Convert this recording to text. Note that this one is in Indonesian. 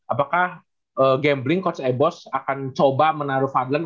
apakah gambling coach eibos akan coba menaruh fadlan